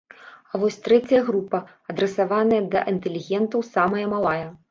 А вось трэцяя група, адрасаваная да інтэлігентаў, самая малая.